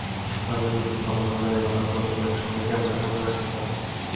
তবে নতুন খবর হলো, এবারই প্রথম একসঙ্গে ক্যামেরার সামনে আসছেন তাঁরা দুজন।